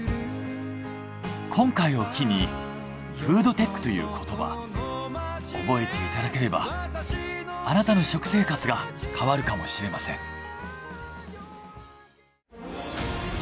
今回を機にフードテックという言葉覚えていただければあなたの食生活が変わるかもしれません。